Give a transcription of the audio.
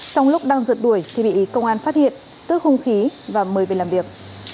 trong lúc đang rượt đuổi thì bị công an phát hiện tước hung khí và mời về làm việc